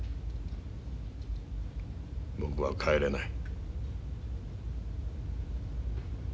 僕は帰れない。